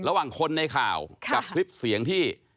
ระหว่างคนในข่าวกับคลิปเสียงที่